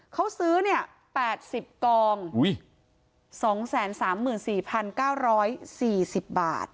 เขาซื้อเนี่ยแปดสิบกองอุ้ยสองแสนสามหมื่นสี่พันเก้าร้อยสี่สิบบาท